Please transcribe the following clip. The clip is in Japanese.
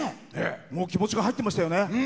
気持ちが入ってましたよね。